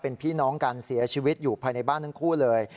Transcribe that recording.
เป็นพี่น้องกันเสียชีวิตอยู่ภายในบ้านทั้งคู่เลย